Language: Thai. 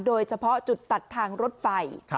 โดยเฉพาะจุดตัดทางรถไฟ